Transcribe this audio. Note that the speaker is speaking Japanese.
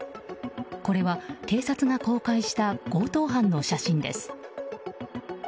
これは警察が公開した強盗犯の写真です。